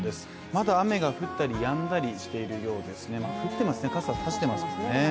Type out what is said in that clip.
まだ雨が降ったりやんだりしているようですね降っていますね、傘を差していますもんね。